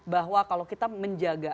bahwa kalau kita menjaga